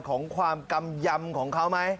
ของความกำยำของเขาไหม